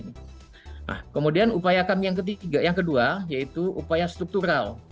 nah kemudian upaya kami yang ketiga yang kedua yaitu upaya struktural